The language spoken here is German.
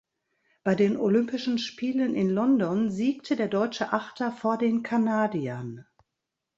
Bei den Olympischen Spielen in London siegte der deutsche Achter vor den Kanadiern.